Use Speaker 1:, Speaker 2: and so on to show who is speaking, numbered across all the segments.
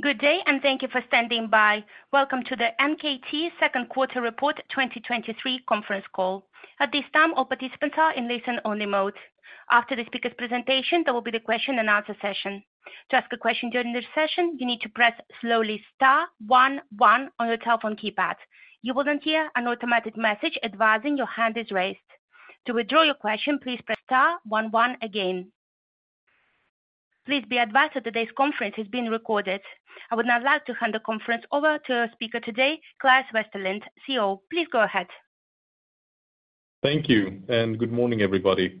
Speaker 1: Good day. Thank you for standing by. Welcome to the NKT second quarter report 2023 conference call. At this time, all participants are in listen-only mode. After the speaker's presentation, there will be the question and answer session. To ask a question during this session, you need to press slowly star one one on your telephone keypad. You will then hear an automatic message advising your hand is raised. To withdraw your question, please press star one one again. Please be advised that today's conference is being recorded. I would now like to hand the conference over to our speaker today, Claes Westerlind, CEO. Please go ahead.
Speaker 2: Thank you. Good morning, everybody.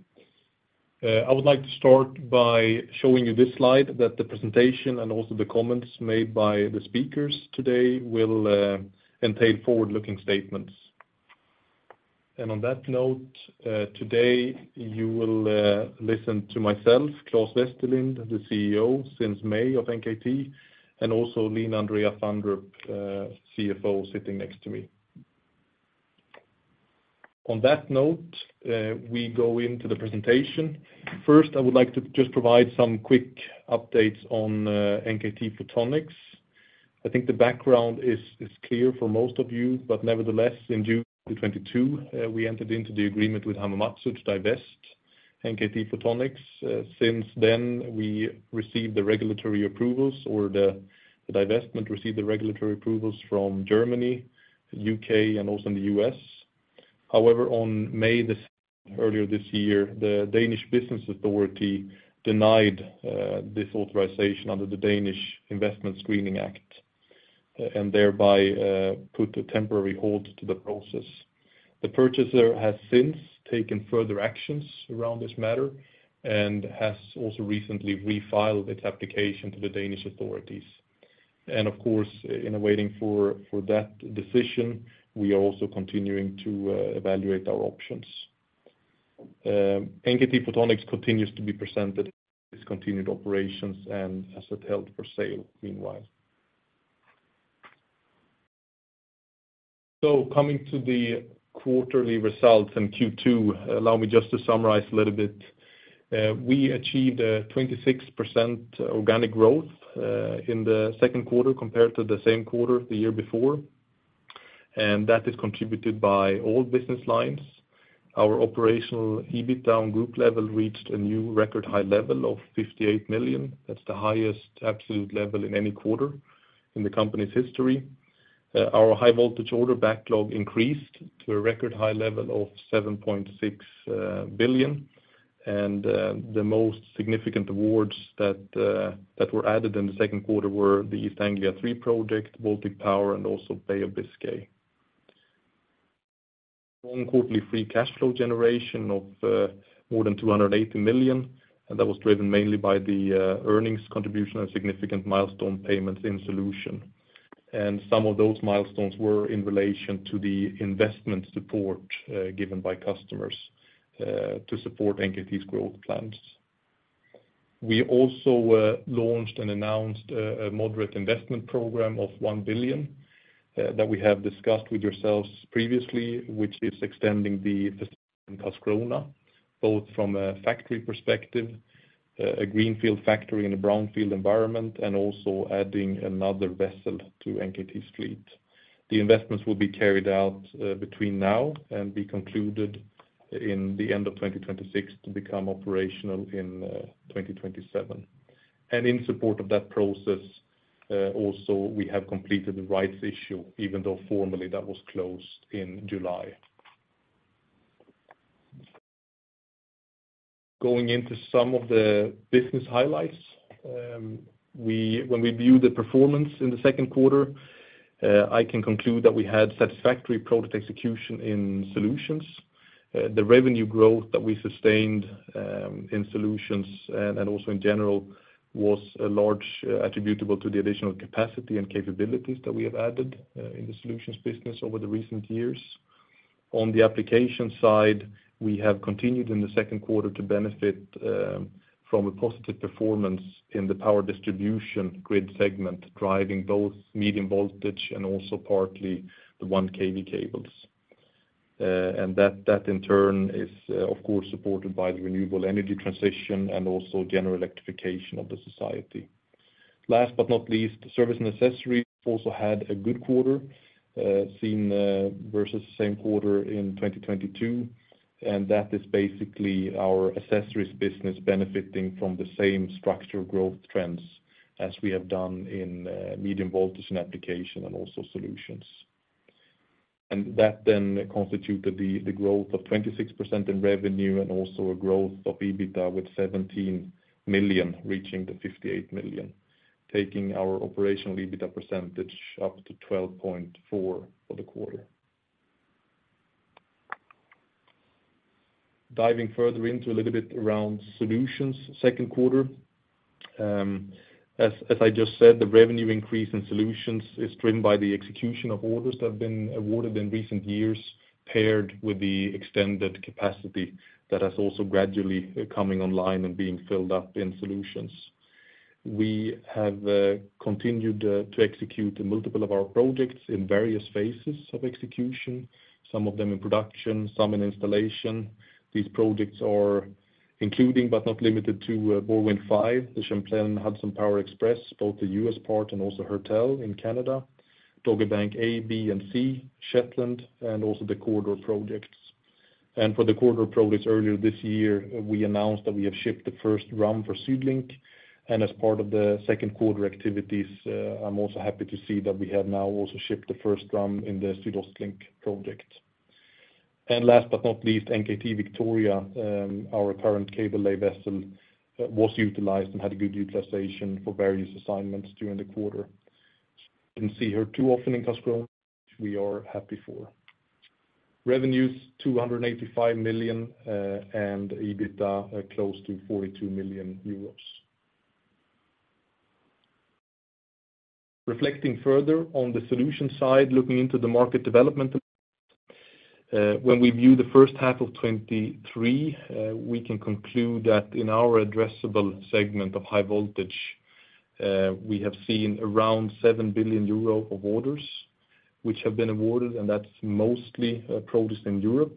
Speaker 2: I would like to start by showing you this slide, that the presentation and also the comments made by the speakers today will contain forward-looking statements. On that note, today, you will listen to myself, Claes Westerlind, the CEO since May of NKT, and also Line Andrea Fandrup, CFO, sitting next to me. On that note, we go into the presentation. First, I would like to just provide some quick updates on NKT Photonics. I think the background is clear for most of you, but nevertheless, in June of 2022, we entered into the agreement with Hamamatsu to divest NKT Photonics. Since then, we received the regulatory approvals or the, the divestment received the regulatory approvals from Germany, the U.K., and also in the U.S. However, on May the, earlier this year, the Danish Business Authority denied this authorization under the Danish Investment Screening Act, and thereby put a temporary hold to the process. The purchaser has since taken further actions around this matter and has also recently refiled its application to the Danish authorities. Of course, in waiting for, for that decision, we are also continuing to evaluate our options. NKT Photonics continues to be presented as discontinued operations and asset held for sale meanwhile. Coming to the quarterly results in Q2, allow me just to summarize a little bit. We achieved a 26% organic growth in the second quarter compared to the same quarter the year before, and that is contributed by all business lines. Our operational EBITDA on group level reached a new record high level of 58 million. That's the highest absolute level in any quarter in the company's history. Our high voltage order backlog increased to a record high level of 7.6 billion, and the most significant awards that were added in the second quarter were the East Anglia Three project, Baltic Power, and also Bay of Biscay. On quarterly free cash flow generation of more than 280 million, that was driven mainly by the earnings contribution and significant milestone payments in solution. Some of those milestones were in relation to the investment support given by customers to support NKT's growth plans. We also launched and announced a moderate investment program of 1 billion that we have discussed with yourselves previously, which is extending the in Karlskrona, both from a factory perspective, a greenfield factory in a brownfield environment, and also adding another vessel to NKT's fleet. The investments will be carried out between now and be concluded in the end of 2026 to become operational in 2027. In support of that process, also, we have completed the rights issue, even though formally that was closed in July. Going into some of the business highlights, when we view the performance in the second quarter, I can conclude that we had satisfactory product execution in solutions. The revenue growth that we sustained in solutions and, and also in general, was a large attributable to the additional capacity and capabilities that we have added in the solutions business over the recent years. On the application side, we have continued in the second quarter to benefit from a positive performance in the power distribution grid segment, driving both medium voltage and also partly the 1 kV cables. That, that in turn is, of course, supported by the renewable energy transition and also general electrification of the society. Last but not least, service and accessories also had a good quarter, seen versus the same quarter in 2022, and that is basically our accessories business benefiting from the same structural growth trends as we have done in medium voltage and application and also solutions. That then constituted the growth of 26% in revenue and also a growth of EBITDA with 17 million, reaching to 58 million, taking our operational EBITDA percentage up to 12.4 for the quarter. Diving further into a little bit around solutions, second quarter, as I just said, the revenue increase in solutions is driven by the execution of orders that have been awarded in recent years, paired with the extended capacity that has also gradually coming online and being filled up in solutions. We have continued to execute multiple of our projects in various phases of execution, some of them in production, some in installation. These projects are including, but not limited to, BorWin5, the Champlain Hudson Power Express, both the US part and also Hertel in Canada, Dogger Bank A, B, and C, Shetland, and also the Corridor projects. For the quarter progress earlier this year, we announced that we have shipped the first drum for SuedLink. As part of the second quarter activities, I'm also happy to see that we have now also shipped the first drum in the SüdOstLink project. Last but not least, NKT Victoria, our current cable lay vessel, was utilized and had a good utilization for various assignments during the quarter. Didn't see her too often in Kastrup, which we are happy for. Revenues, 285 million, and EBITDA, close to 42 million euros. Reflecting further on the solution side, looking into the market development, when we view the first half of 2023, we can conclude that in our addressable segment of high voltage, we have seen around 7 billion euro of orders, which have been awarded, and that's mostly produced in Europe.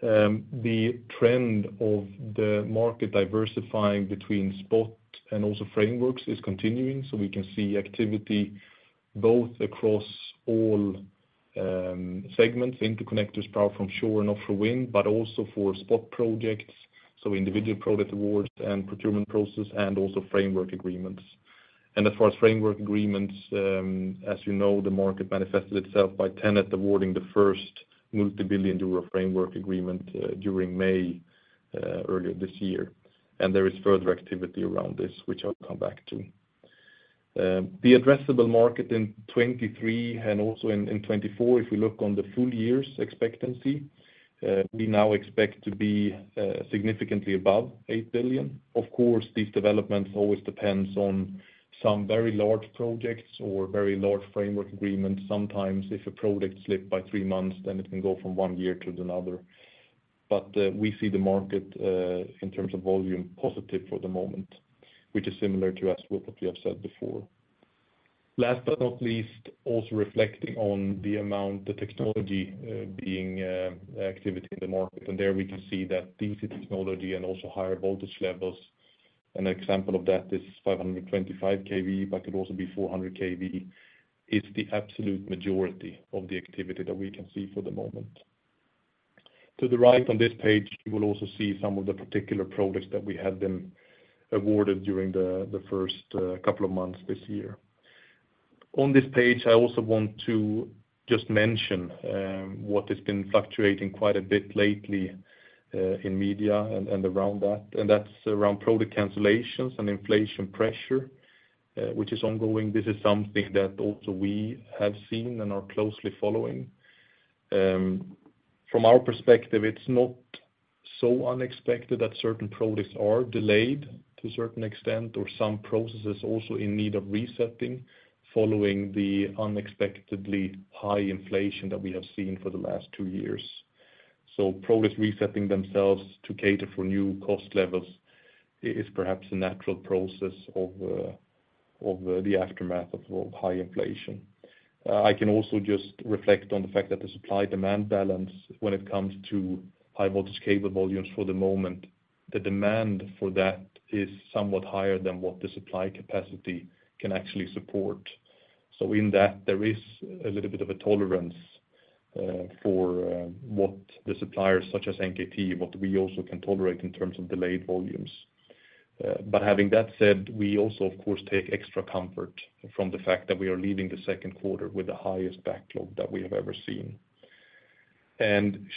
Speaker 2: The trend of the market diversifying between spot and also frameworks is continuing, so we can see activity both across all segments, interconnectors, power from shore and offshore wind, but also for spot projects, so individual project awards and procurement process, and also framework agreements. As far as framework agreements, as you know, the market manifested itself by TenneT awarding the first multi-billion euro framework agreement during May earlier this year. There is further activity around this, which I'll come back to. The addressable market in 2023, and also in, in 2024, if we look on the full year's expectancy, we now expect to be significantly above 8 billion. Of course, these developments always depends on some very large projects or very large framework agreements. Sometimes if a project slip by three months, then it can go from one year to another. But we see the market in terms of volume, positive for the moment, which is similar to us with what we have said before. Last but not least, also reflecting on the amount, the technology, being activity in the market. There we can see that DC technology and also higher voltage levels, an example of that is 525 kV, but could also be 400 kV, is the absolute majority of the activity that we can see for the moment. To the right on this page, you will also see some of the particular projects that we have been awarded during the, the first couple of months this year. On this page, I also want to just mention what has been fluctuating quite a bit lately in media and, and around that, and that's around project cancellations and inflation pressure, which is ongoing. This is something that also we have seen and are closely following. From our perspective, it's not so unexpected that certain projects are delayed to a certain extent, or some processes also in need of resetting, following the unexpectedly high inflation that we have seen for the last two years. Projects resetting themselves to cater for new cost levels is perhaps a natural process of the aftermath of high inflation. I can also just reflect on the fact that the supply-demand balance, when it comes to high voltage cable volumes for the moment, the demand for that is somewhat higher than what the supply capacity can actually support. In that, there is a little bit of a tolerance for what the suppliers, such as NKT, what we also can tolerate in terms of delayed volumes. Having that said, we also, of course, take extra comfort from the fact that we are leaving the second quarter with the highest backlog that we have ever seen.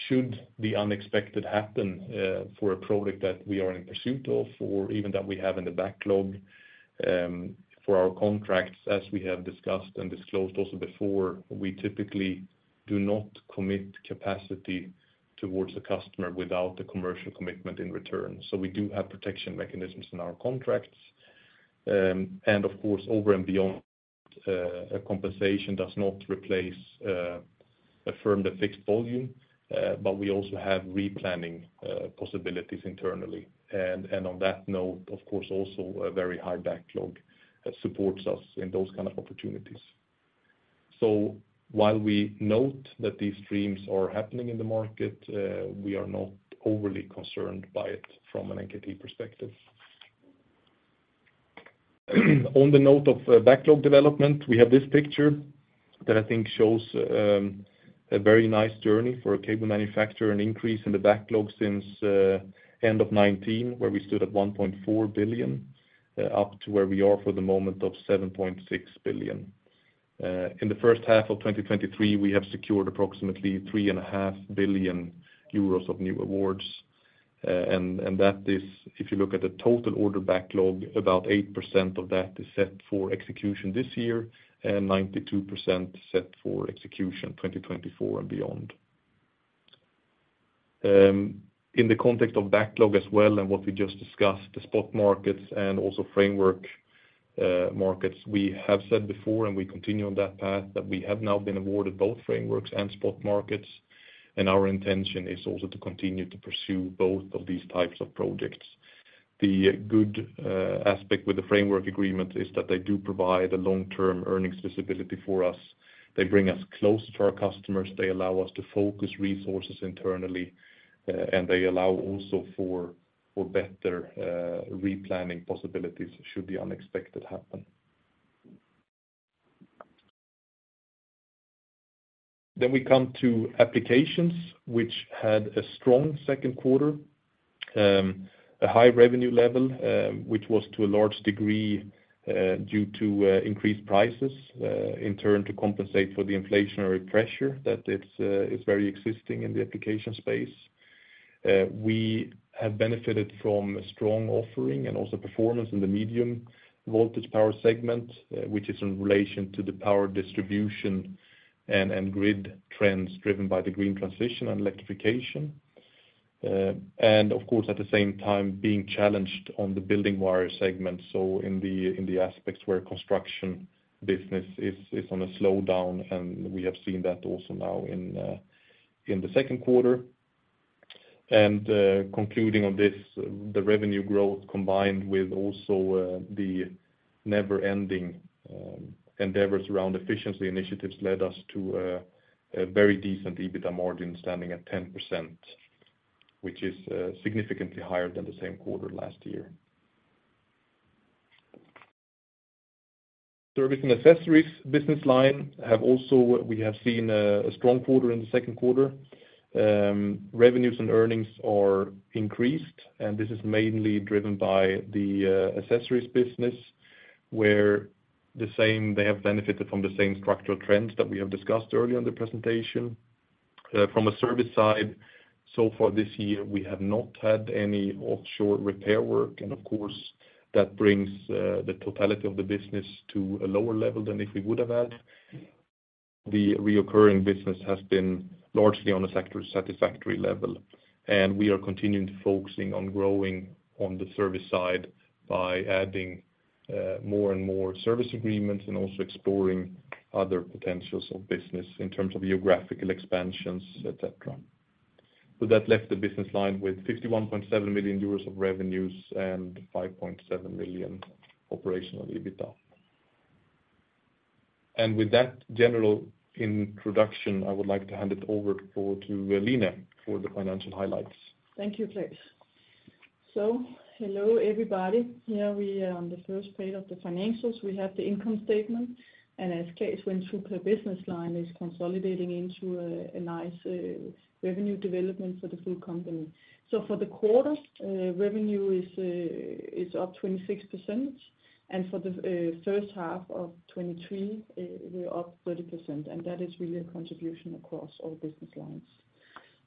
Speaker 2: Should the unexpected happen for a project that we are in pursuit of, or even that we have in the backlog, for our contracts, as we have discussed and disclosed also before, we typically do not commit capacity towards a customer without the commercial commitment in return. We do have protection mechanisms in our contracts. Of course, over and beyond, a compensation does not replace a firm to fixed volume, but we also have replanning possibilities internally. On that note, of course, also a very high backlog that supports us in those kind of opportunities. While we note that these streams are happening in the market, we are not overly concerned by it from an NKT perspective. On the note of backlog development, we have this picture that I think shows a very nice journey for a cable manufacturer, an increase in the backlog since end of 2019, where we stood at 1.4 billion, up to where we are for the moment of 7.6 billion. In the first half of 2023, we have secured approximately 3.5 billion euros of new awards. That is, if you look at the total order backlog, about 8% of that is set for execution this year, and 92% set for execution 2024 and beyond. In the context of backlog as well, and what we just discussed, the spot markets and also framework markets, we have said before, and we continue on that path, that we have now been awarded both frameworks and spot markets, and our intention is also to continue to pursue both of these types of projects. The good aspect with the framework agreement is that they do provide a long-term earnings visibility for us. They bring us close to our customers, they allow us to focus resources internally, and they allow also for, for better, replanning possibilities should the unexpected happen. We come to applications, which had a strong second quarter, a high revenue level, which was to a large degree due to increased prices, in turn, to compensate for the inflationary pressure that it's is very existing in the application space. We have benefited from a strong offering and also performance in the medium voltage power segment, which is in relation to the power distribution and grid trends driven by the green transition and electrification. Of course, at the same time, being challenged on the building wire segment, so in the aspects where construction business is on a slowdown, we have seen that also now in the second quarter. Concluding on this, the revenue growth, combined with also the never-ending endeavors around efficiency initiatives, led us to a very decent EBITDA margin, standing at 10%, which is significantly higher than the same quarter last year. Service and accessories business line have also, we have seen, a strong quarter in the second quarter. Revenues and earnings are increased, this is mainly driven by the accessories business, where they have benefited from the same structural trends that we have discussed earlier in the presentation. From a service side, so far this year, we have not had any offshore repair work, and of course, that brings the totality of the business to a lower level than if we would have had. The recurring business has been largely on a sector-satisfactory level, and we are continuing to focusing on growing on the service side by adding more and more service agreements and also exploring other potentials of business in terms of geographical expansions, et cetera. That left the business line with 51.7 million euros of revenues and 5.7 million operational EBITDA. With that general introduction, I would like to hand it over to Line for the financial highlights.
Speaker 3: Thank you, Claes. Hello, everybody. Here we are on the first page of the financials. We have the income statement. As Claes went through per business line, is consolidating into a nice revenue development for the full company. For the quarter, revenue is up 26%, and for the first half of 2023, we're up 30%, and that is really a contribution across all business lines.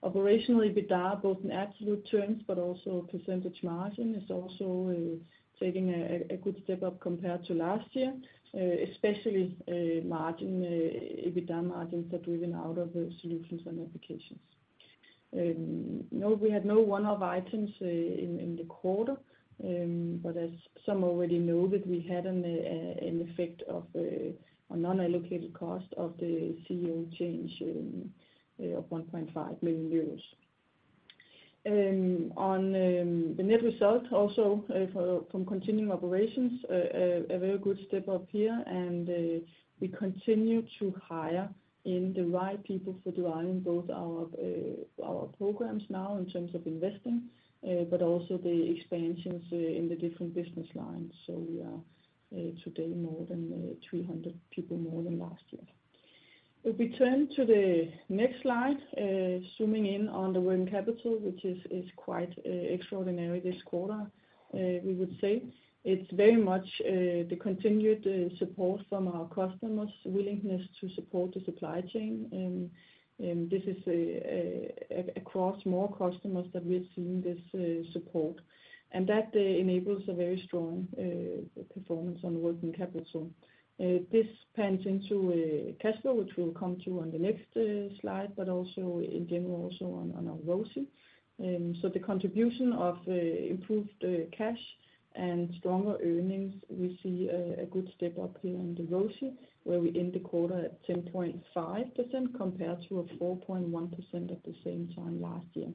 Speaker 3: Operationally, EBITDA, both in absolute terms, but also percentage margin, is also taking a good step up compared to last year, especially margin, EBITDA margins are driven out of the solutions and applications. No, we had no one-off items in the quarter. As some already know, that we had an effect of a non-allocated cost of the CEO change of 1.5 million euros. On the net result, also from continuing operations, a very good step up here. We continue to hire in the right people for driving both our programs now, in terms of investing, but also the expansions in the different business lines. We are today more than 300 people more than last year. We turn to the next slide, zooming in on the working capital, which is quite extraordinary this quarter, we would say. It's very much the continued support from our customers' willingness to support the supply chain, and, and this is a- across more customers that we've seen this support. That enables a very strong performance on working capital. This pans into cash flow, which we'll come to on the next slide, but also in general, also on, on our ROCE. The contribution of improved cash and stronger earnings, we see a good step up here on the ROCE, where we end the quarter at 10.5% compared to a 4.1% at the same time last year.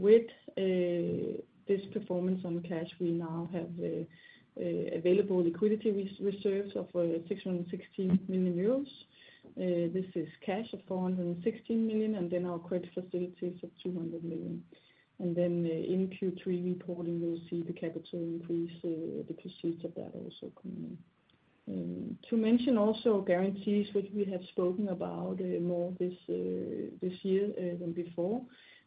Speaker 3: With this performance on cash, we now have available liquidity res- reserves of 616 million euros. This is cash of 416 million, and then our credit facilities of 200 million. In Q3 reporting, we'll see the capital increase, the proceeds of that also coming in. To mention also guarantees, which we have spoken about, more this, this year, than before,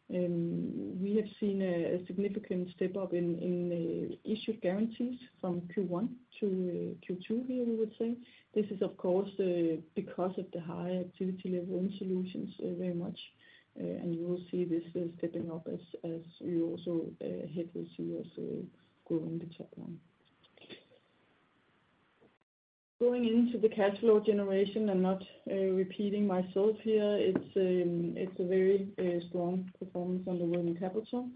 Speaker 3: we have seen a significant step up in the issued guarantees from Q1 to Q2 here, we would say. This is, of course, because of the high activity level in solutions, very much, you will see this, stepping up as we also head towards growing the top line. Going into the cash flow generation, I'm not repeating myself here. It's, it's a very strong performance on the working capital,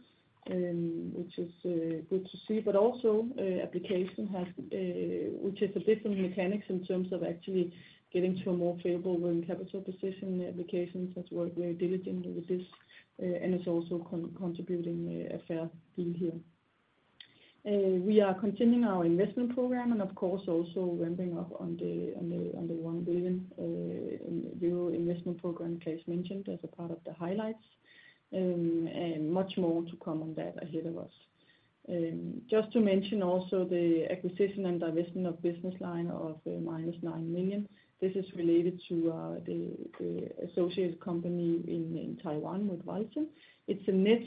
Speaker 3: which is good to see, but also, application has, which is a different mechanics in terms of actually getting to a more favorable working capital position, the applications. That's work very diligently with this, and it's also contributing a fair deal here. We are continuing our investment program, and of course, also ramping up on the, on the, on the 1 billion, the new investment program Claes mentioned as a part of the highlights, and much more to come on that ahead of us. Just to mention also the acquisition and divestment of business line of -9 million. This is related to the associate company in Taiwan with Walsin Lihwa. It's a net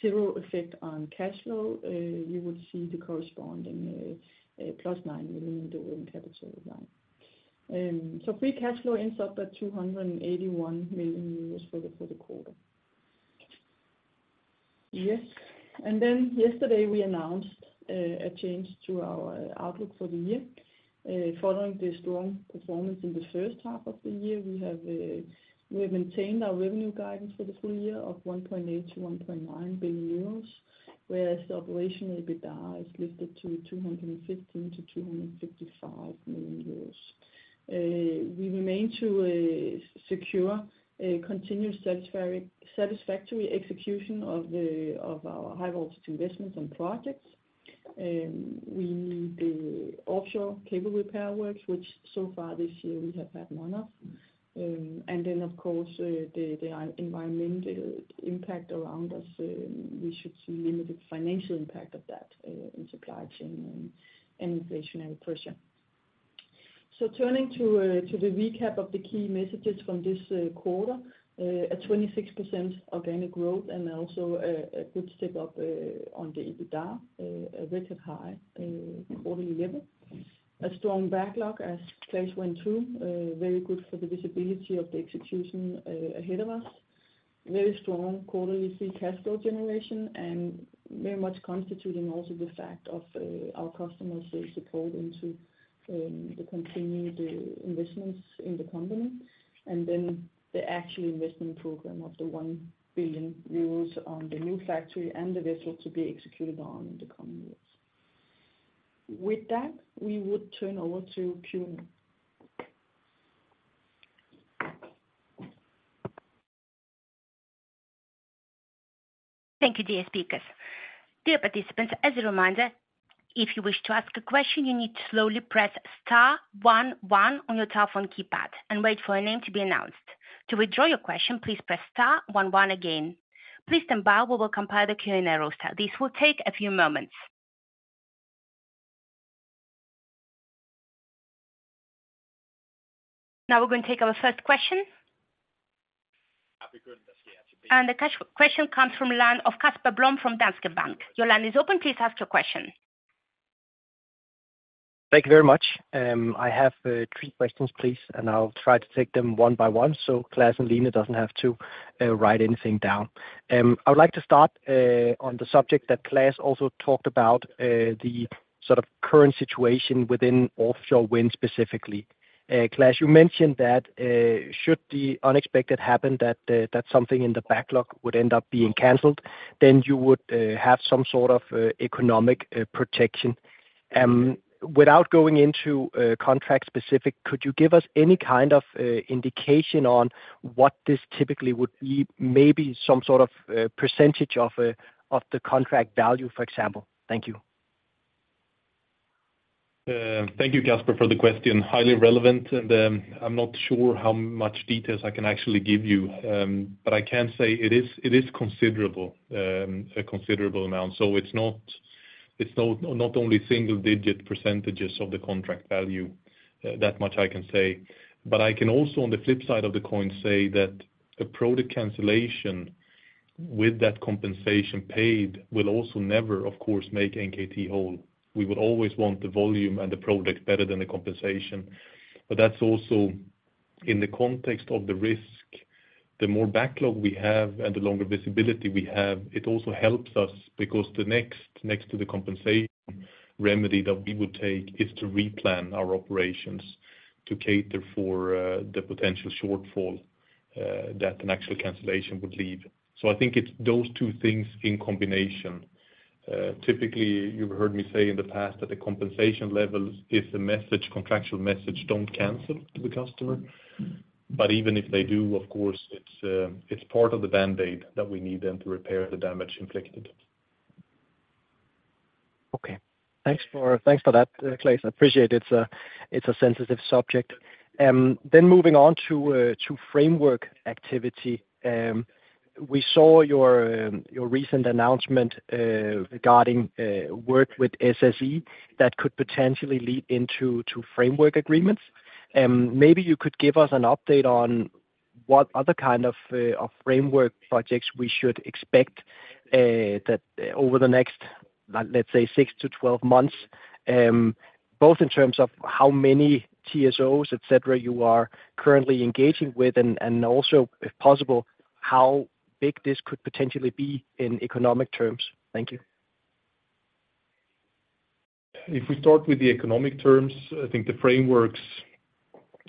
Speaker 3: zero effect on cash flow. You would see the corresponding +9 million in the working capital line. Free cash flow ends up at 281 million euros for the quarter. Yesterday, we announced a change to our outlook for the year. Following the strong performance in the first half of the year, we have maintained our revenue guidance for the full year of 1.8 billion-1.9 billion euros, whereas the operational EBITDA is lifted to 215 million-255 million euros. We remain to secure a continuous satisfactory execution of our high voltage investments and projects. We, the offshore cable repair works, which so far this year we have had one of, and then of course, the environmental impact around us, we should see limited financial impact of that in supply chain and inflationary pressure. Turning to the recap of the key messages from this quarter, a 26% organic growth and also a good step up on the EBITDA, a record high quarterly level. A strong backlog as Claes went through, very good for the visibility of the execution ahead of us. Very strong quarterly free cash flow generation, and very much constituting also the fact of our customers' support into the continued investments in the company. The actual investment program of the 1 billion euros on the new factory and the vessel to be executed on in the coming years. With that, we would turn over to Q&A.
Speaker 1: Thank you, dear speakers. Dear participants, as a reminder, if you wish to ask a question, you need to slowly press star one one on your telephone keypad and wait for your name to be announced. To withdraw your question, please press star one one again. Please stand by, we will compile the Q&A roster. This will take a few moments. Now we're going to take our first question. The question comes from line of Casper Blom from Danske Bank. Your line is open, please ask your question.
Speaker 4: Thank you very much. I have three questions, please, and I'll try to take them one by one, so Claes and Line doesn't have to write anything down. I would like to start on the subject that Claes also talked about, the sort of current situation within offshore wind, specifically. Claes, you mentioned that should the unexpected happen, that something in the backlog would end up being canceled, then you would have some sort of economic protection. Without going into contract specific, could you give us any kind of indication on what this typically would be? Maybe some sort of percentage of the contract value, for example. Thank you.
Speaker 2: Thank you, Casper, for the question. Highly relevant, and I'm not sure how much details I can actually give you. But I can say it is, it is considerable, a considerable amount, so it's not, it's not, not only single-digit percentage of the contract value, that much I can say. But I can also, on the flip side of the coin, say that a project cancellation with that compensation paid will also never, of course, make NKT whole. We would always want the volume and the project better than the compensation. But that's also in the context of the risk. The more backlog we have and the longer visibility we have, it also helps us, because the next, next to the compensation remedy that we would take is to replan our operations to cater for the potential shortfall that an actual cancellation would leave. I think it's those two things in combination. Typically, you've heard me say in the past that the compensation level is a message, contractual message, don't cancel to the customer. Even if they do, of course, it's part of the band-aid that we need then to repair the damage inflicted.
Speaker 4: Okay. Thanks for, thanks for that, Claes. I appreciate it's a, it's a sensitive subject. Moving on to framework activity. We saw your recent announcement, regarding work with SSE that could potentially lead into two framework agreements. Maybe you could give us an update on what other kind of framework projects we should expect that over the next, let's say, 6-12 months, both in terms of how many TSOs, et cetera, you are currently engaging with, and, and also, if possible, how big this could potentially be in economic terms. Thank you.
Speaker 2: If we start with the economic terms, I think the frameworks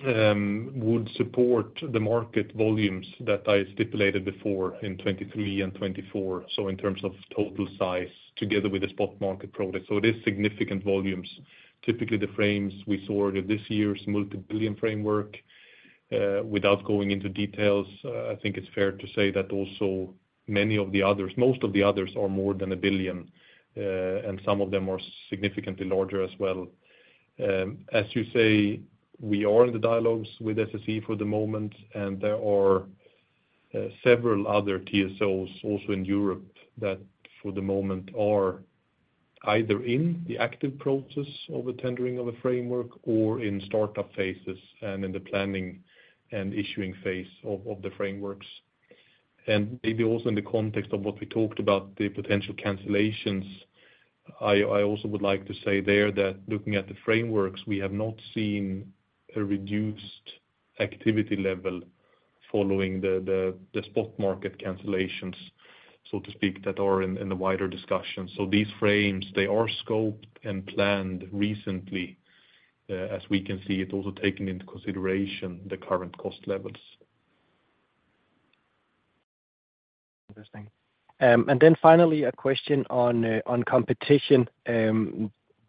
Speaker 2: would support the market volumes that I stipulated before in 2023 and 2024. In terms of total size, together with the spot market product, so it is significant volumes. Typically, the frames we saw this year's multi-billion framework, without going into details, I think it's fair to say that also many of the others, most of the others are more than 1 billion, and some of them are significantly larger as well. As you say, we are in the dialogues with SSE for the moment, and there are several other TSOs also in Europe, that for the moment are either in the active process of the tendering of a framework or in startup phases and in the planning and issuing phase of, of the frameworks. Maybe also in the context of what we talked about, the potential cancellations, I also would like to say there that looking at the frameworks, we have not seen a reduced activity level following the, the, the spot market cancellations, so to speak, that are in, in the wider discussion. These frames, they are scoped and planned recently, as we can see, it also taking into consideration the current cost levels.
Speaker 4: Interesting. And then finally, a question on competition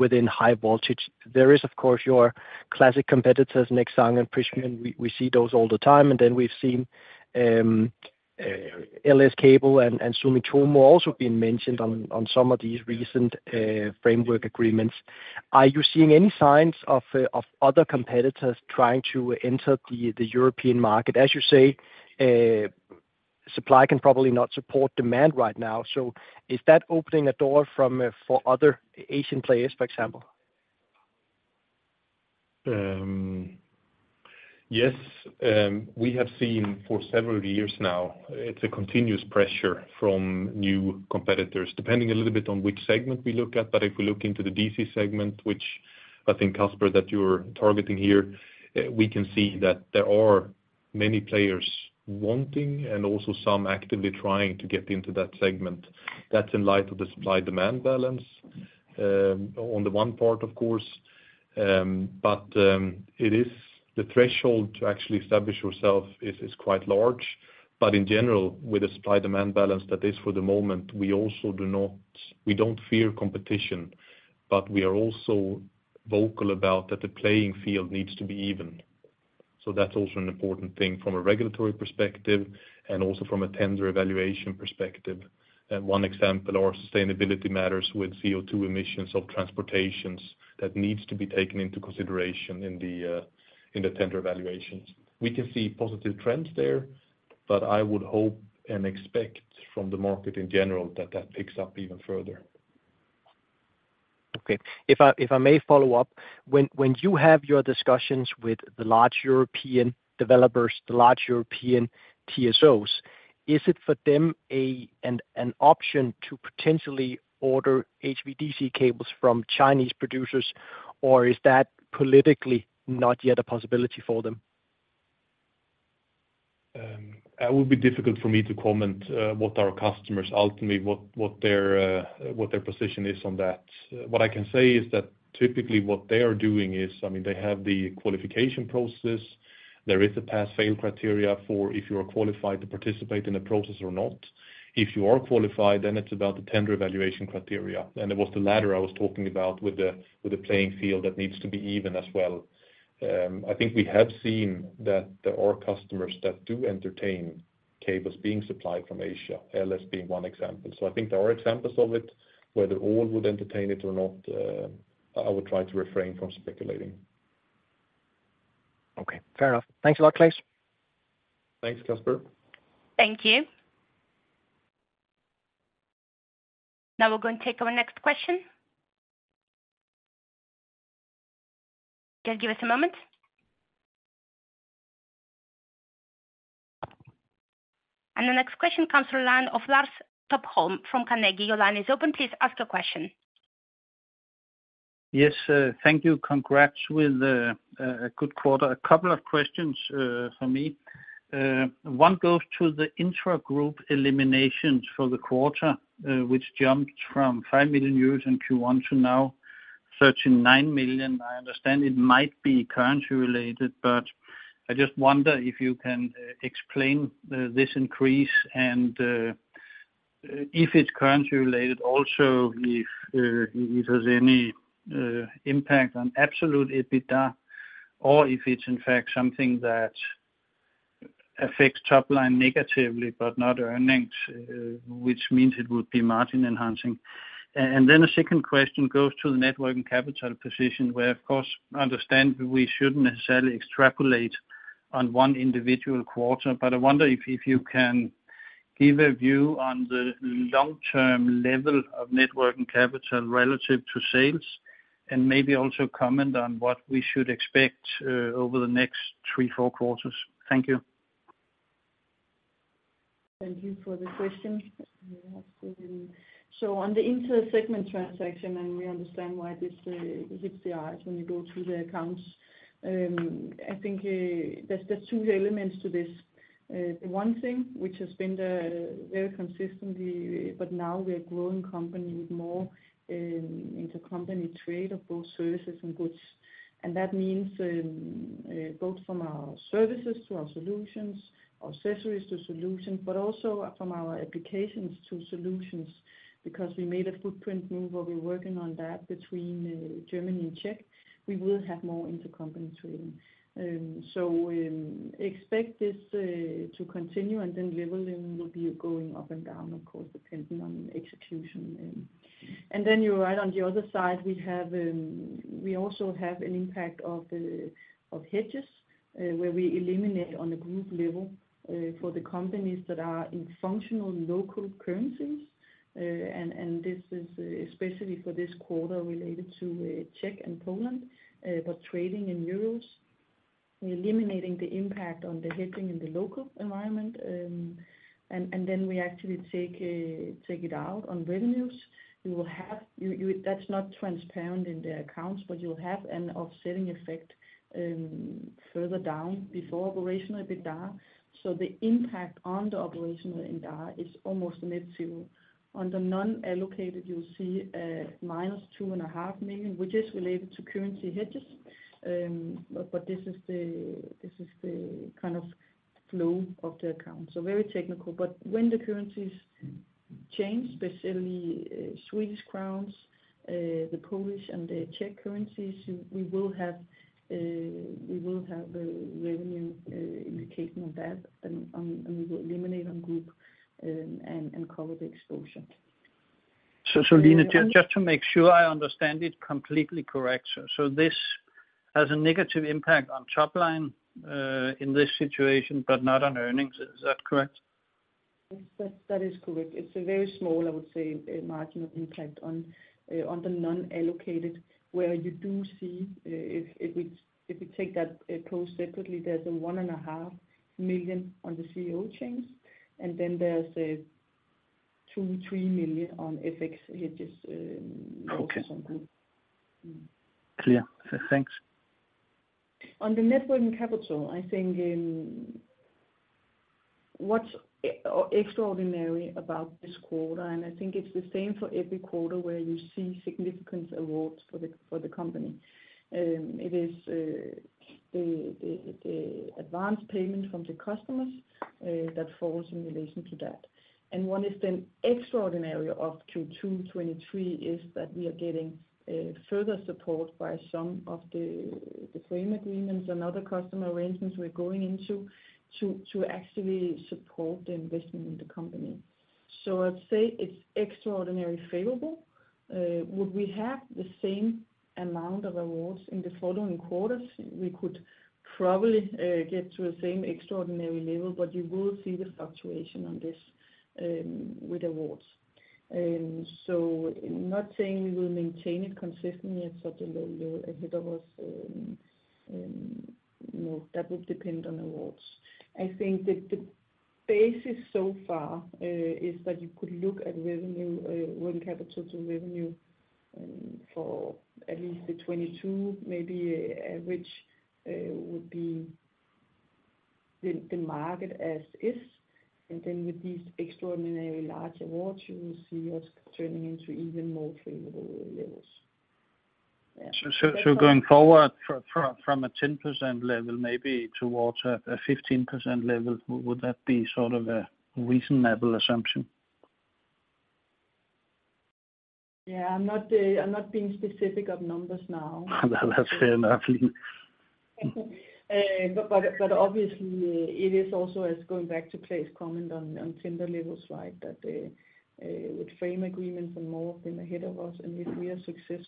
Speaker 4: within high voltage. There is, of course, your classic competitors, Nexans and Prysmian. We see those all the time. Then we've seen LS Cable and Sumitomo also being mentioned on some of these recent framework agreements. Are you seeing any signs of other competitors trying to enter the European market? As you say, supply can probably not support demand right now, so is that opening a door from for other Asian players, for example?
Speaker 2: Yes. We have seen for several years now, it's a continuous pressure from new competitors, depending a little bit on which segment we look at. If we look into the DC segment, which I think, Casper, that you're targeting here, we can see that there are many players wanting, and also some actively trying to get into that segment. That's in light of the supply-demand balance, on the one part, of course. It is the threshold to actually establish yourself is, is quite large, but in general, with the supply-demand balance that is for the moment, we also do not we don't fear competition, but we are also vocal about that the playing field needs to be even. That's also an important thing from a regulatory perspective and also from a tender evaluation perspective. One example are sustainability matters with CO2 emissions of transportations. That needs to be taken into consideration in the tender evaluations. We can see positive trends there, I would hope and expect from the market in general, that that picks up even further.
Speaker 4: Okay. If I, if I may follow up. When, when you have your discussions with the large European developers, the large European TSOs, is it for them a, an, an option to potentially order HVDC cables from Chinese producers? Is that politically not yet a possibility for them?
Speaker 2: It would be difficult for me to comment, what our customers ultimately, what, what their, what their position is on that. What I can say is that typically what they are doing is, I mean, they have the qualification process. There is a pass-fail criteria for if you are qualified to participate in a process or not. If you are qualified, it's about the tender evaluation criteria. It was the latter I was talking about with the, with the playing field that needs to be even as well. I think we have seen that there are customers that do entertain cables being supplied from Asia, LS being one example. I think there are examples of it. Whether all would entertain it or not, I would try to refrain from speculating.
Speaker 4: Okay, fair enough. Thanks a lot, Claes.
Speaker 2: Thanks, Casper.
Speaker 1: Thank you. Now we're going to take our next question. Just give us a moment. The next question comes from the line of Lars Topholm from Carnegie. Your line is open. Please ask your question.
Speaker 5: Yes, thank you. Congrats with a good quarter. A couple of questions for me. One goes to the intragroup eliminations for the quarter, which jumped from 5 million euros in Q1 to now 13.9 million. I understand it might be currency related, but I just wonder if you can explain this increase and if it's currency related, also, if it has any impact on absolute EBITDA, or if it's in fact something that affects top line negatively but not earnings, which means it would be margin enhancing. The second question goes to the net working capital position, where, of course, I understand we shouldn't necessarily extrapolate on one individual quarter. I wonder if, if you can give a view on the long-term level of net working capital relative to sales, and maybe also comment on what we should expect over the next three, four quarters. Thank you.
Speaker 3: Thank you for the question. On the intersegment transaction, we understand why this hits the eyes when you go through the accounts. I think there's two elements to this. The one thing which has been very consistently, but now we are a growing company with more intercompany trade of both services and goods. That means both from our services to our solutions, our accessories to solutions, but also from our applications to solutions. We made a footprint move, where we're working on that between Germany and Czech, we will have more intercompany trading. Expect this to continue and then level in-... will be going up and down, of course, depending on execution. You're right on the other side, we have, we also have an impact of hedges, where we eliminate on a group level, for the companies that are in functional local currencies. This is especially for this quarter related to Czech and Poland, but trading in euros, eliminating the impact on the hedging in the local environment. We actually take it out on revenues. We will have you, that's not transparent in the accounts, but you'll have an offsetting effect, further down before operational EBITDA. The impact on the operational EBITDA is almost net zero. On the non-allocated, you'll see -2.5 million, which is related to currency hedges. This is the, this is the kind of flow of the account, so very technical. When the currencies change, especially Swedish crowns, the Polish and the Czech currencies, we will have, we will have a revenue indication of that, and we will eliminate on group and cover the exposure.
Speaker 5: Line, just to make sure I understand it completely correct. This has a negative impact on top line in this situation, but not on earnings. Is that correct?
Speaker 3: Yes, that, that is correct. It's a very small, I would say, a marginal impact on the non-allocated, where you do see, if, if we, if we take that post separately, there's a 1.5 million on the CEO change, and then there's a 2 million-3 million on FX hedges, or something.
Speaker 5: Okay. Clear. Thanks.
Speaker 3: On the net working capital, I think, what's extraordinary about this quarter, and I think it's the same for every quarter, where you see significant awards for the, for the company. It is the advanced payment from the customers that falls in relation to that. What is then extraordinary of Q2 2023, is that we are getting further support by some of the frame agreements and other customer arrangements we're going into, to, to actually support the investment in the company. I'd say it's extraordinarily favorable. Would we have the same amount of awards in the following quarters? We could probably get to the same extraordinary level, but you will see the fluctuation on this with awards. So not saying we will maintain it consistently at such a low level ahead of us, no, that would depend on awards. I think the, the basis so far, is that you could look at revenue, working capital to revenue, for at least the 2022, maybe, which, would be the, the market as is. And then with these extraordinary large awards, you will see us turning into even more favorable levels. Yeah.
Speaker 5: Going forward from a 10% level, maybe towards a 15% level, would that be sort of a reasonable assumption?
Speaker 3: Yeah, I'm not, I'm not being specific of numbers now.
Speaker 5: That's fair enough, Line.
Speaker 3: But, but obviously, it is also as going back to Claes' comment on, on tender levels, right? That, with frame agreements and more of them ahead of us, and if we are successful,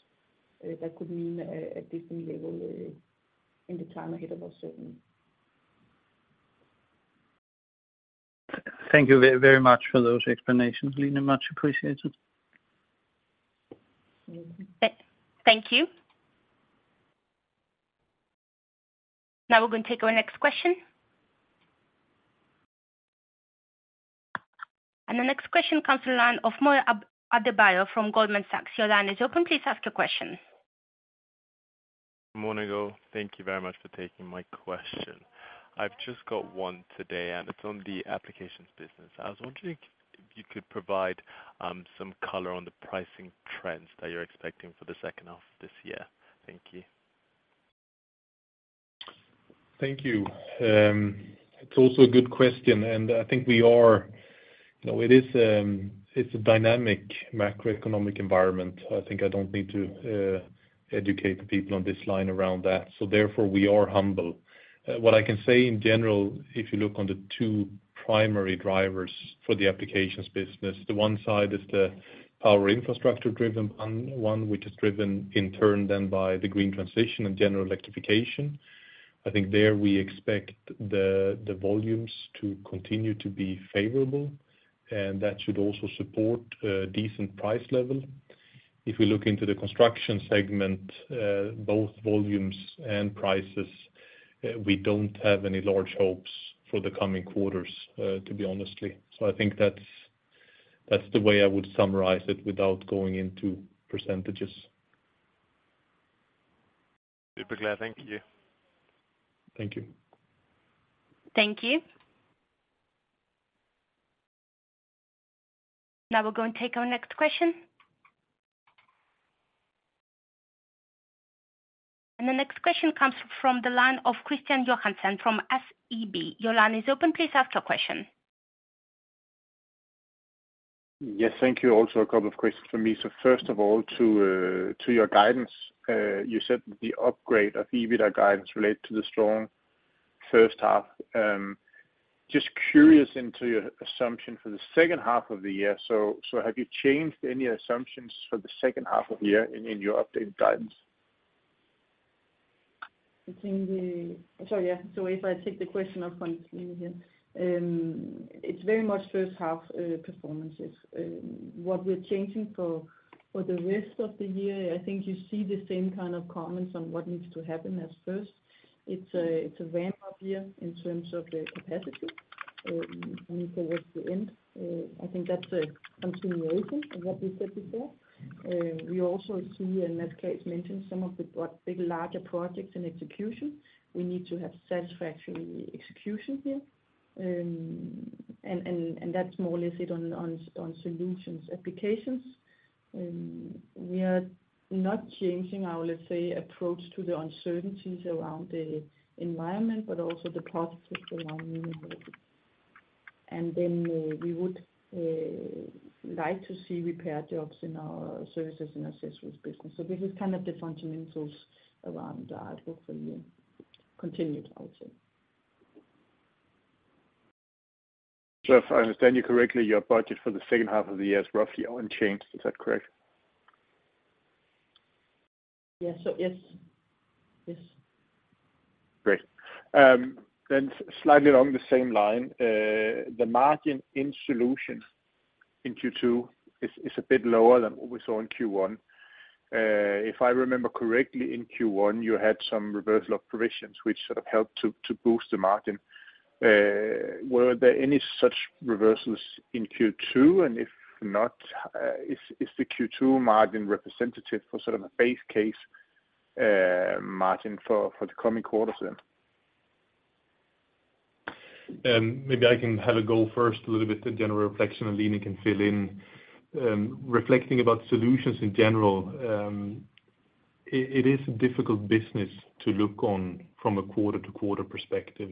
Speaker 3: that could mean a, a different level, in the time ahead of us, certainly.
Speaker 5: Thank you very much for those explanations, Line. Much appreciated.
Speaker 3: Mm-hmm.
Speaker 1: Thank you. Now we're going to take our next question. The next question comes to the line of Adebayo Ogunlesi from Goldman Sachs. Your line is open. Please ask your question.
Speaker 6: Morning, all. Thank you very much for taking my question. I've just got one today. It's on the applications business. I was wondering if you could provide some color on the pricing trends that you're expecting for the second half of this year. Thank you.
Speaker 2: Thank you. It's also a good question, and I think we are, you know, it is, it's a dynamic macroeconomic environment. I think I don't need to educate the people on this line around that. Therefore, we are humble. What I can say in general, if you look on the two primary drivers for the applications business, the one side is the power infrastructure driven one, which is driven in turn then by the green transition and general electrification. I think there we expect the, the volumes to continue to be favorable, and that should also support a decent price level. If we look into the construction segment, both volumes and prices, we don't have any large hopes for the coming quarters to be honestly. I think that's, that's the way I would summarize it without going into percentages.
Speaker 6: Super clear. Thank you.
Speaker 2: Thank you.
Speaker 1: Thank you. Now we're going to take our next question. The next question comes from the line of Kristian Tornøe Johansen from SEB. Your line is open. Please ask your question.
Speaker 7: Yes, thank you. Also, a couple of questions for me. First of all, to, to your guidance, you said the upgrade of the EBITDA guidance relate to the strong first half. Just curious into your assumption for the second half of the year. Have you changed any assumptions for the second half of the year in, in your updated guidance?
Speaker 3: If I take the question up front here, it's very much first half performances. What we're changing for, for the rest of the year, I think you see the same kind of comments on what needs to happen as first. It's a, it's a ramp up year in terms of the capacity towards the end. I think that's a continuation of what we said before. We also see, as Claes mentioned, some of the larger projects and execution, we need to have satisfactory execution here. That's more listed on solutions, applications. We are not changing our, let's say, approach to the uncertainties around the environment, but also the processes around them. Then we would like to see repair jobs in our services and accessories business. This is kind of the fundamentals around the outlook for the continued, I would say.
Speaker 7: If I understand you correctly, your budget for the second half of the year is roughly unchanged. Is that correct?
Speaker 3: Yes. Yes. Yes.
Speaker 7: Great. Then slightly along the same line, the margin in solution in Q2 is, is a bit lower than what we saw in Q1. If I remember correctly, in Q1, you had some reversal of provisions which sort of helped to boost the margin. Were there any such reversals in Q2? If not, is, is the Q2 margin representative for sort of a base case margin for, for the coming quarters then?
Speaker 2: Maybe I can have a go first, a little bit of general reflection, and Line can fill in. Reflecting about solutions in general, it, it is a difficult business to look on from a quarter-to-quarter perspective,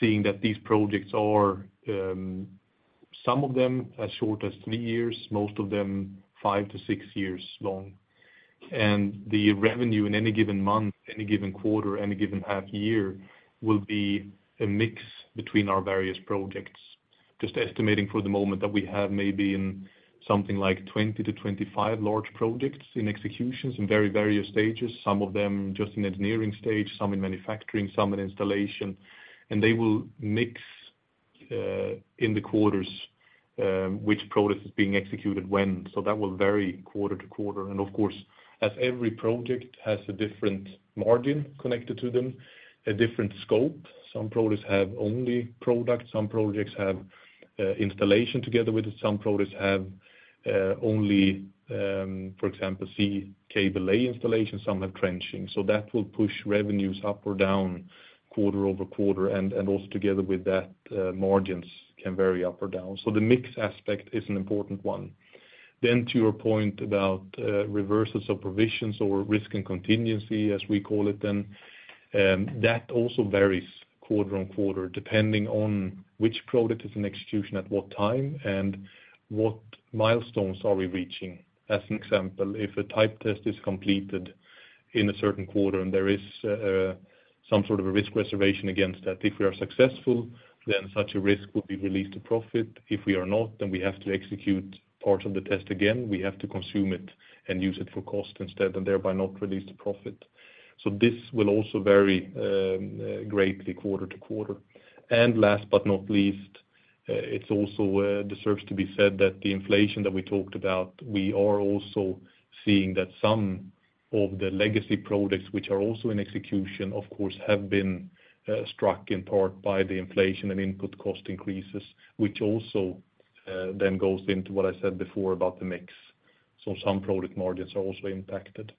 Speaker 2: seeing that these projects are, some of them as short as three years, most of them five to six years long. The revenue in any given month, any given quarter, any given half year, will be a mix between our various projects. Just estimating for the moment that we have maybe in something like 20-25 large projects in executions, in very various stages, some of them just in engineering stage, some in manufacturing, some in installation. They will mix in the quarters, which product is being executed when. That will vary quarter-to-quarter. Of course, as every project has a different margin connected to them, a different scope. Some projects have only product, some projects have installation together with it. Some projects have only, for example, sea cable lay installation, some have trenching. So that will push revenues up or down quarter-over-quarter, and also together with that, margins can vary up or down. So the mix aspect is an important one. To your point about reversals of provisions or risk and contingency, as we call it, that also varies quarter-on-quarter, depending on which product is in execution at what time, and what milestones are we reaching. As an example, if a type test is completed in a certain quarter, and there is some sort of a risk reservation against that, if we are successful, then such a risk will be released to profit. If we are not, then we have to execute part of the test again, we have to consume it and use it for cost instead, and thereby not release the profit. This will also vary greatly quarter to quarter. Last but not least, it's also deserves to be said that the inflation that we talked about, we are also seeing that some of the legacy products, which are also in execution, of course, have been struck in part by the inflation and input cost increases, which also then goes into what I said before about the mix. Some product margins are also impacted.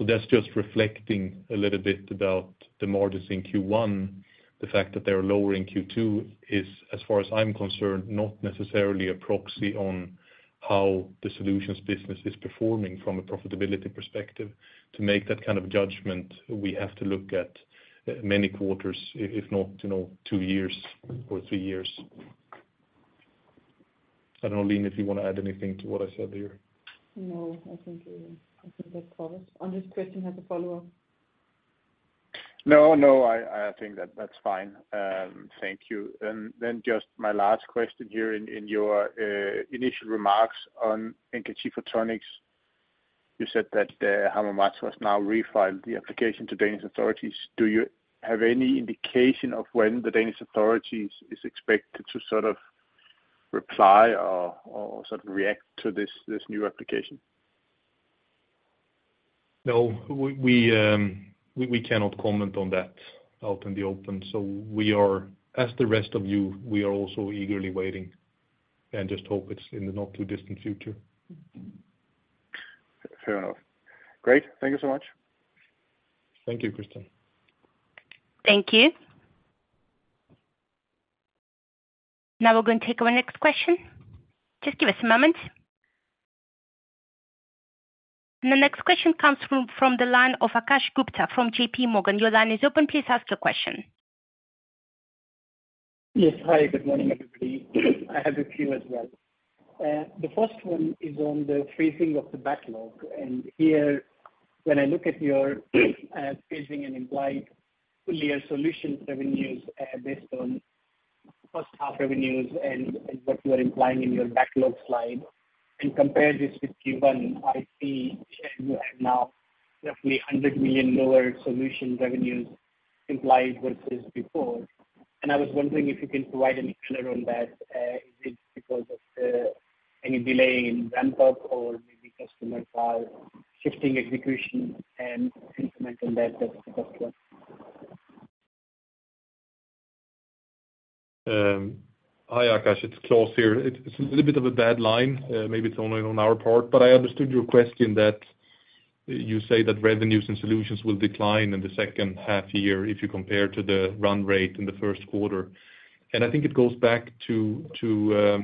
Speaker 2: That's just reflecting a little bit about the margins in Q1. The fact that they're lower in Q2 is, as far as I'm concerned, not necessarily a proxy on how the solutions business is performing from a profitability perspective. To make that kind of judgment, we have to look at many quarters, if, if not, you know, two years or three years. I don't know, Line, if you want to add anything to what I said there?
Speaker 3: No, I think, I think that's covered. Unless Kristian has a follow-up?
Speaker 7: No, no, I, I think that that's fine. Thank you. Then just my last question here. In, in your initial remarks on NKT Photonics, you said that Hamamatsu has now refiled the application to Danish authorities. Do you have any indication of when the Danish authorities is expected to sort of reply or, or sort of react to this, this new application?
Speaker 2: No, we, we, we, we cannot comment on that out in the open. We are, as the rest of you, we are also eagerly waiting and just hope it's in the not-too-distant future.
Speaker 7: Fair enough. Great. Thank you so much.
Speaker 2: Thank you, Kristian.
Speaker 1: Thank you. Now we're going to take our next question. Just give us a moment. The next question comes from the line of Akash Gupta from JP Morgan. Your line is open. Please ask your question.
Speaker 8: Yes. Hi, good morning, everybody. I have a few as well. The first one is on the phasing of the backlog, and here, when I look at your, phasing and implied full year solutions revenues, based on first half revenues and, and what you are implying in your backlog slide, and compare this with Q1, I see you have now roughly 100 million lower solution revenues implied versus before. I was wondering if you can provide any color on that. Is it because of, any delay in ramp up or maybe customers are shifting execution and can comment on that as well?
Speaker 2: Hi, Akash, it's Cleas here. It, it's a little bit of a bad line. Maybe it's only on our part, but I understood your question that you say that revenues and solutions will decline in the second half year if you compare to the run rate in the first quarter. I think it goes back to, to,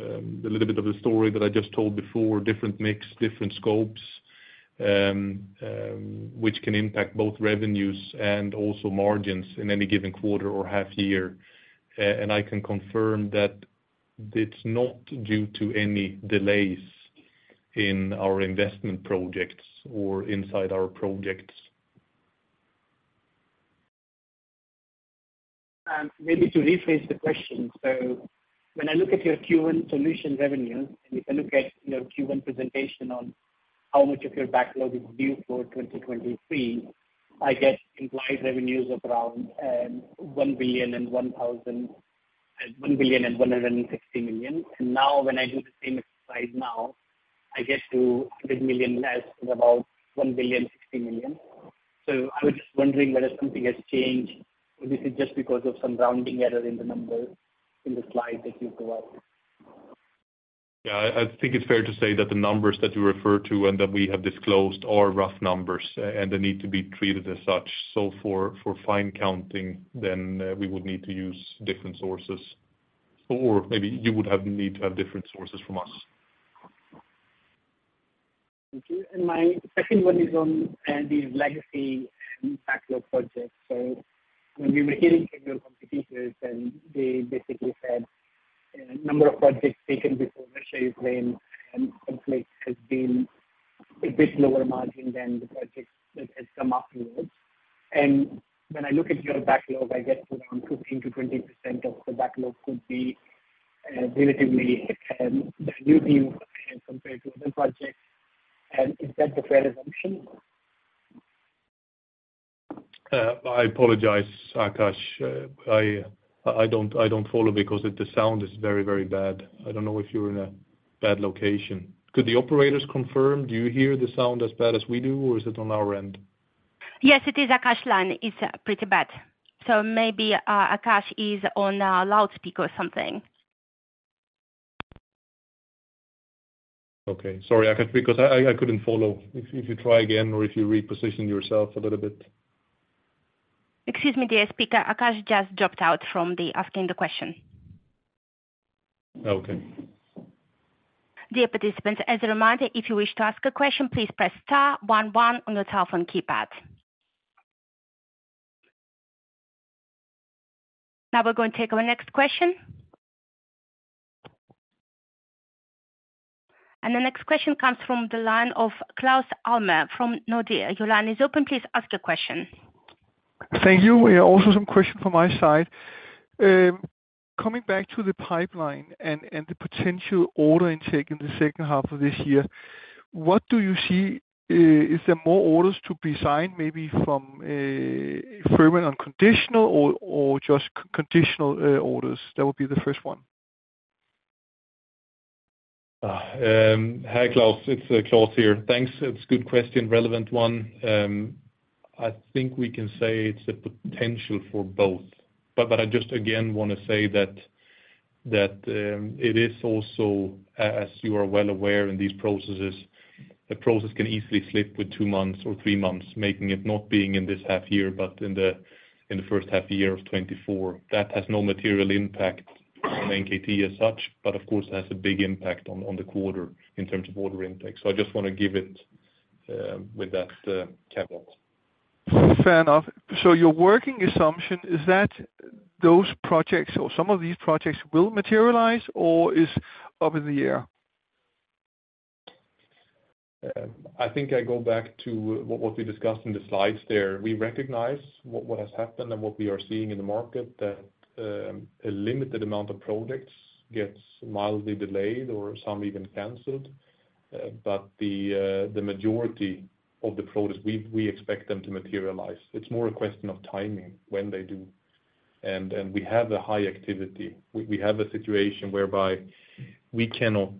Speaker 2: the little bit of the story that I just told before, different mix, different scopes, which can impact both revenues and also margins in any given quarter or half year. I can confirm that it's not due to any delays in our investment projects or inside our projects.
Speaker 8: Maybe to rephrase the question, when I look at your Q1 solution revenue, if I look at your Q1 presentation on how much of your backlog is due for 2023, I get implied revenues of around 1,160 million. Now, when I do the same exercise now, I get to 100 million less and about 1,060 million. I was just wondering whether something has changed, or this is just because of some rounding error in the numbers, in the slide that you provided.
Speaker 2: Yeah, I, I think it's fair to say that the numbers that you refer to and that we have disclosed are rough numbers, and they need to be treated as such. For, for fine counting, then, we would need to use different sources, or maybe you would have need to have different sources from us.
Speaker 8: Thank you. My second one is on the legacy and backlog projects. When we were hearing from your competitors, they basically said number of projects taken before Russia, Ukraine conflict has been a bit lower margin than the projects that has come afterwards. When I look at your backlog, I get around 15%-20% of the backlog could be relatively new deal compared to other projects. Is that the fair assumption?
Speaker 2: I apologize, Akash. I, I don't, I don't follow because the sound is very, very bad. I don't know if you're in a bad location. Could the operators confirm? Do you hear the sound as bad as we do, or is it on our end?
Speaker 1: Yes, it is Akash's line. It's, pretty bad. Maybe, Akash is on, loudspeaker or something.
Speaker 2: Okay. Sorry, Akash, because I, I couldn't follow. If, if you try again, or if you reposition yourself a little bit.
Speaker 1: Excuse me, dear speaker. Akash just dropped out from the asking the question.
Speaker 2: Okay.
Speaker 1: Dear participants, as a reminder, if you wish to ask a question, please press star one one on your telephone keypad. Now we're going to take our next question. The next question comes from the line of Claus Almer, from Nordea. Your line is open, please ask your question.
Speaker 9: Thank you. We have also some questions from my side. Coming back to the pipeline and, and the potential order intake in the second half of this year, what do you see, is there more orders to be signed, maybe from a firm and unconditional or, or just conditional, orders? That would be the first one.
Speaker 2: Hi, Claus Almer. It's Claes Westerlind here. Thanks. It's a good question, relevant one. I think we can say it's a potential for both. I just again, want to say that, that it is also, as you are well aware, in these processes, the process can easily slip with two months or three months, making it not being in this half year, but in the, in the first half year of 2024. That has no material impact on NKT as such, but of course, has a big impact on, on the quarter in terms of order intake. I just want to give it with that caveat.
Speaker 9: Fair enough. Your working assumption is that those projects or some of these projects will materialize or is up in the air?
Speaker 2: I think I go back to what, what we discussed in the slides there. We recognize what, what has happened and what we are seeing in the market, that a limited amount of projects gets mildly delayed or some even canceled. The majority of the projects we, we expect them to materialize. It's more a question of timing, when they do. We have a high activity. We, we have a situation whereby we cannot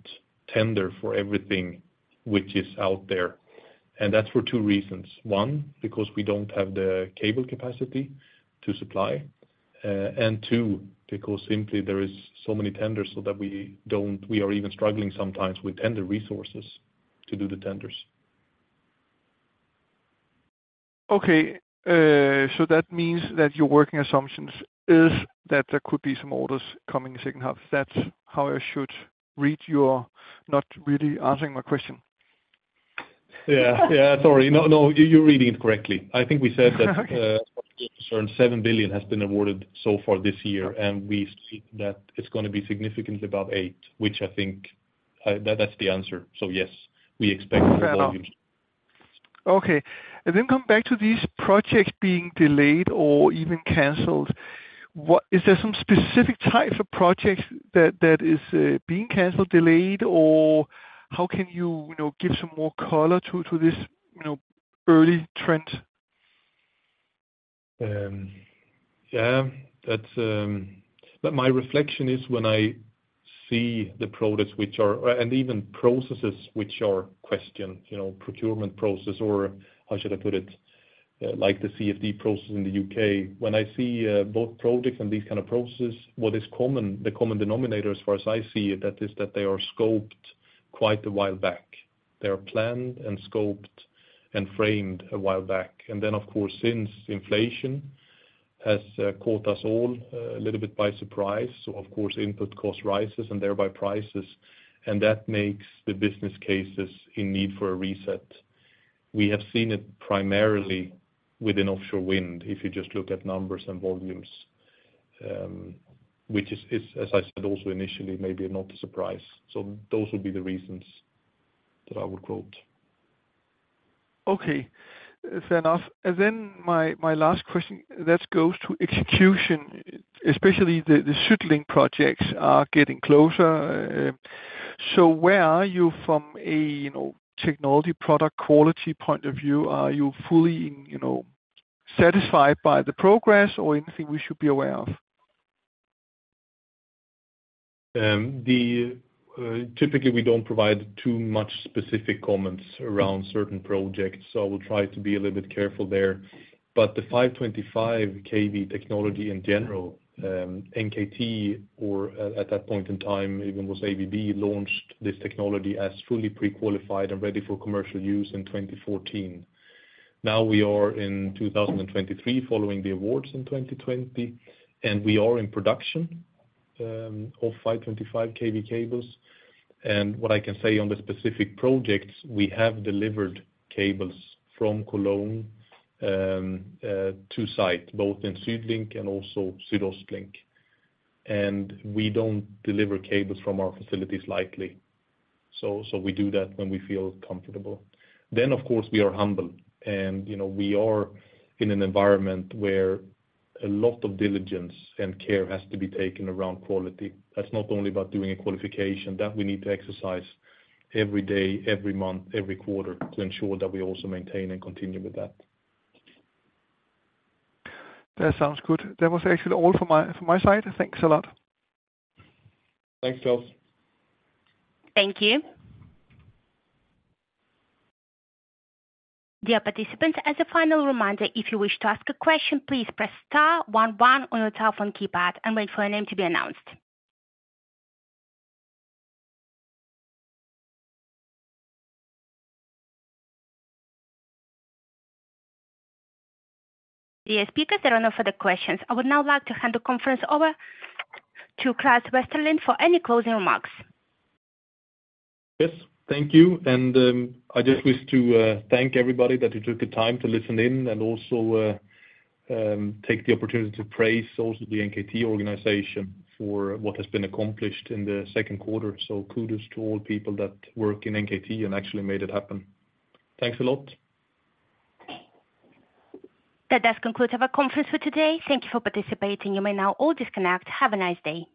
Speaker 2: tender for everything which is out there, and that's for two reasons: One, because we don't have the cable capacity to supply, and two, because simply there is so many tenders so that we don't. We are even struggling sometimes with tender resources to do the tenders.
Speaker 9: Okay, that means that your working assumptions is that there could be some orders coming in second half. That's how I should read your not really answering my question?
Speaker 2: Yeah. Yeah. Sorry. No, no, you're reading it correctly. I think we said that, 7 billion has been awarded so far this year, and we see that it's gonna be significantly above 8 billion, which I think, that, that's the answer. Yes, we expect volumes.
Speaker 9: Fair enough. Okay, then come back to these projects being delayed or even canceled. Is there some specific type of projects that, that is being canceled, delayed, or how can you, you know, give some more color to, to this, you know, early trend?
Speaker 2: Yeah, that's. My reflection is when I see the products which are, and even processes which are questioned, you know, procurement process or how should I put it? Like the CFD process in the UK. When I see both products and these kind of processes, what is common, the common denominator as far as I see it, that is that they are scoped quite a while back. They are planned and scoped and framed a while back. Then, of course, since inflation has caught us all a little bit by surprise, so of course, input cost rises and thereby prices, and that makes the business cases in need for a reset. We have seen it primarily within offshore wind, if you just look at numbers and volumes, which is, as I said, also initially, maybe not a surprise. Those would be the reasons that I would quote.
Speaker 9: Okay, fair enough. Then my, my last question, that goes to execution, especially the, the SuedLink projects are getting closer. Where are you from a, you know, technology product quality point of view? Are you fully, you know, satisfied by the progress or anything we should be aware of?
Speaker 2: Typically we don't provide too much specific comments around certain projects, so I will try to be a little bit careful there. The 525 kV technology in general, NKT or at, at that point in time, even was ABB, launched this technology as fully pre-qualified and ready for commercial use in 2014. Now we are in 2023, following the awards in 2020, and we are in production of 525 kV cables. What I can say on the specific projects, we have delivered cables from Cologne to site, both in SuedLink and also SuedOstLink. We don't deliver cables from our facilities lightly, so we do that when we feel comfortable. Of course, we are humble, and, you know, we are in an environment where a lot of diligence and care has to be taken around quality. That's not only about doing a qualification, that we need to exercise every day, every month, every quarter, to ensure that we also maintain and continue with that.
Speaker 9: That sounds good. That was actually all from my, from my side. Thanks a lot.
Speaker 2: Thanks, Charles.
Speaker 1: Thank you. Dear participants, as a final reminder, if you wish to ask a question, please press star one one on your telephone keypad and wait for your name to be announced. Dear speakers, there are no further questions. I would now like to hand the conference over to Claes Westerlind for any closing remarks.
Speaker 2: Yes, thank you. I just wish to thank everybody that you took the time to listen in and also take the opportunity to praise also the NKT organization for what has been accomplished in the second quarter. Kudos to all people that work in NKT and actually made it happen. Thanks a lot.
Speaker 1: That does conclude our conference for today. Thank you for participating. You may now all disconnect. Have a nice day.